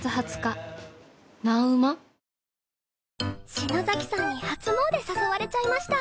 篠崎さんに初詣誘われちゃいました。